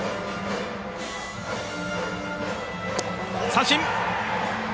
三振！